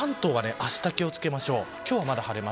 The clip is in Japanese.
関東はあした気を付けましょう。